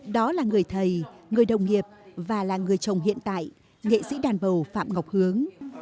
đó là người thầy người đồng nghiệp và là người chồng hiện tại nghệ sĩ đàn bầu phạm ngọc hướng